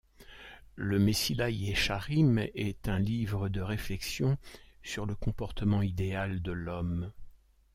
Le Messilat Yecharim est un livre de réflexion sur le comportement idéal de l'homme.